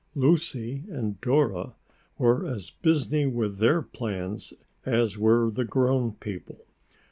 Lucy and Dora were as busy with their plans as were the grown people.